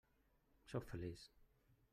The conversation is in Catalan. Sóc feliç.